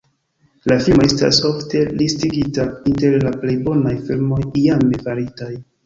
La filmo estas ofte listigita inter la plej bonaj filmoj iame faritaj.